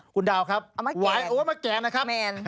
คุณดาวครับเอามาแก่นะครับ